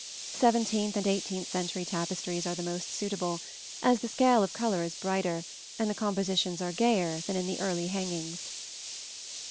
Seventeenth and eighteenth century tapestries are the most suitable, as the scale of color is brighter and the compositions are gayer than in the earlier hangings.